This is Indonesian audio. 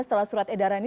setelah surat edaran ini